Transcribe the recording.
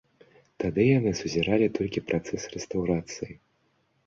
Тады яны сузіралі толькі працэс рэстаўрацыі.